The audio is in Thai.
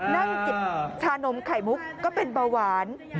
นั่งกินชานมไข่มุกก็เป็นเบาหวาน